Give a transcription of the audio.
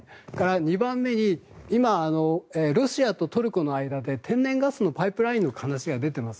２番目に、ロシアとトルコの間で天然ガスのパイプラインの話が出ています。